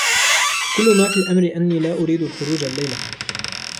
كل ما في الأمر أني لا أريد الخروج الليلة.